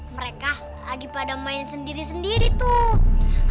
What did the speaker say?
mereka lagi pada main sendiri sendiri tuh